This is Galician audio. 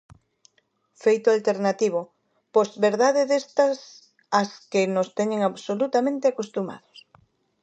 Feito alternativo, posverdade destas ás que nos teñen absolutamente acostumados.